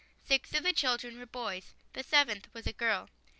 Six of the children were boys ; the seventh was a girl.